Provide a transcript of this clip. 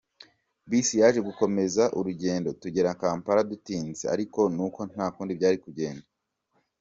Bus yaje gukomeza urugendo tugera Kampala dutinze, ariko nuko nta kundi byari kugenda.